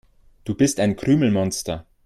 Du bist ein Krümelmonster.